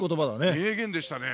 名言でしたね。